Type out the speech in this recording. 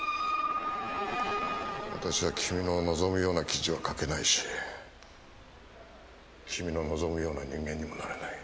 私は君の望むような記事は書けないし君の望むような人間にもなれない。